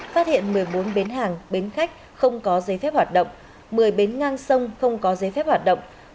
phát hiện một mươi bốn bến hàng bến khách không có giấy phép hoạt động một mươi bến ngang sông không có giấy phép hoạt động